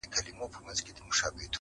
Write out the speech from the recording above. د کښتۍ آرام سفر سو ناکراره،